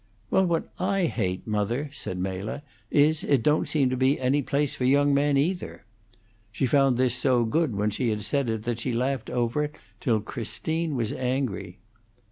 "Well, what I hate, mother," said Mela, "is, it don't seem to be any place for young men, either." She found this so good when she had said it that she laughed over it till Christine was angry.